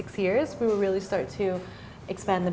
kami mulai mengembangkan